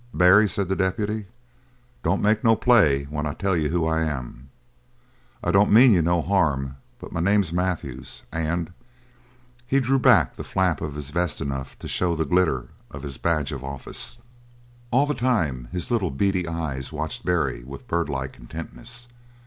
"Barry," said the deputy, "don't make no play when I tell you who I am; I don't mean you no harm, but my name's Matthews, and " he drew back the flap of his vest enough to show the glitter of his badge of office. All the time his little beady eyes watched Barry with bird like intentness.